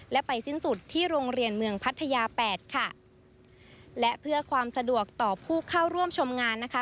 และไปสิ้นสุดที่โรงเรียนเมืองพัทยาแปดค่ะและเพื่อความสะดวกต่อผู้เข้าร่วมชมงานนะคะ